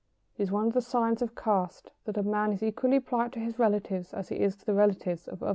It is one of the signs of caste that a man is equally polite to his relatives as he is to the relatives of others.